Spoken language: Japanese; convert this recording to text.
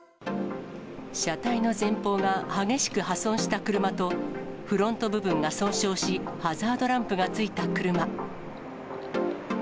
車体の前方が激しく破損した車と、フロント部分が損傷し、ハザードランプがついた車。